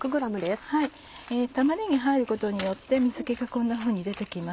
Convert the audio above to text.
玉ねぎが入ることによって水気がこんなふうに出て来ます。